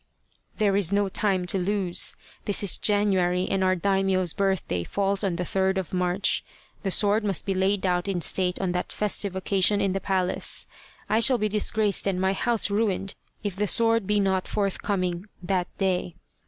" There is no time to lose ! This is January and our Daimio's birthday falls on the third of March. The sword must be laid out in state on that festive occasion in the palace. I shall be disgraced and my house ruined if the sword be not forthcoming that day.